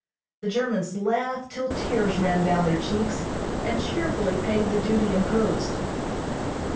The Germans laughed till tears ran down their cheeks, and cheerfully paid the duty imposed.